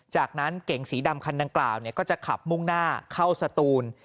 จากนั้นเก่งสีดำคันดังกล่าวก็จะขับมุ่งหน้าเข้าสตูน